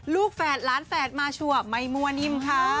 ลูกแฝดร้านแฝดมาชั่วไหมมั่วนิมค่ะ